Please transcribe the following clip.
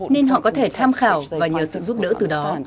nên họ có thể tham khảo và nhờ sự giúp đỡ từ đó